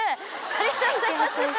ありがとうございます。